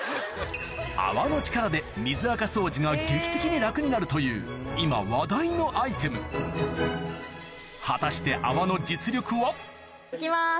泡の力で水アカ掃除が劇的に楽になるという今話題のアイテム果たして行きます。